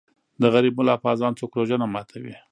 د غریب ملا په اذان څوک روژه نه ماتوي.